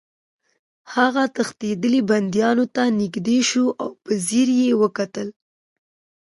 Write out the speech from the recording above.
هغه تښتېدلي بندیانو ته نږدې شو او په ځیر یې وکتل